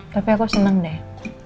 tapi aku seneng deh